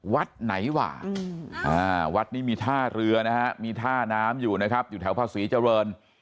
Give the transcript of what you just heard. วัดไหนหว่าวัดนี้มีท่าเรือนะฮะมีท่าน้ำอยู่นะครับอยู่แถวพระศรีเจริญ